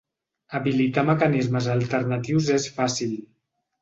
Habilitar mecanismes alternatius és fàcil.